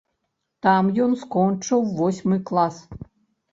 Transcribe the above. Там ён скончыў восьмы клас.